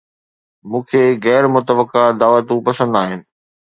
مون کي غير متوقع دعوتون پسند آهن